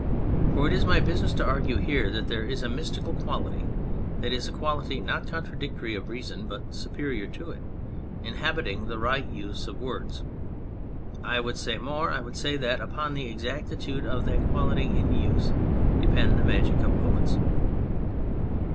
For it is my business to argue here that there is a mystical quality that is, a quality not contradictory of reason but superior to it inhabiting the right use of Words. I would say more : I would say that upon the exactitude of that quality in use depended the magic of the poets.